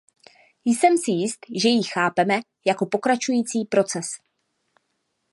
Jsem si jist, že ji chápeme jako pokračující proces.